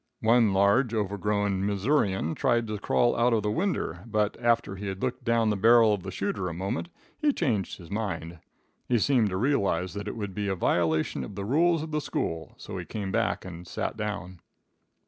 One large, overgrown Missourian tried to crawl out of the winder, but, after he had looked down the barrel of the shooter a moment, he changed his mind. He seemed to realize that it would be a violation of the rules of the school, so he came back and sat down.